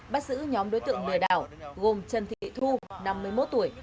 bắt giữ nhóm đối tượng lừa đảo gồm trần thị thu năm mươi một tuổi